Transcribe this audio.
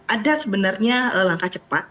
ada sebenarnya langkah cepat